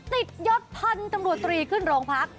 ยศพันธุ์ตำรวจตรีขึ้นโรงพัก